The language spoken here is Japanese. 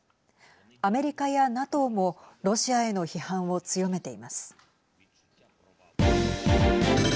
アメリカやＮＡＴＯもロシアへの批判を強めています。